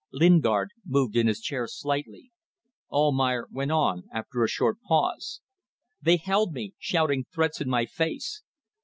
Lingard moved in his chair slightly. Almayer went on after a short pause: "They held me, shouting threats in my face.